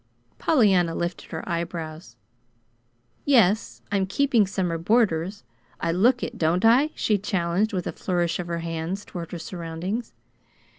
Pollyanna lifted her eyebrows. "Yes, I'm keeping summer boarders. I look it, don't I?" she challenged, with a flourish of her hands toward her surroundings.